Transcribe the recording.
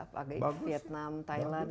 bagus sih vietnam thailand